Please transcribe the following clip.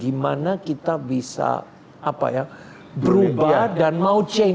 gimana kita bisa berubah dan mau chain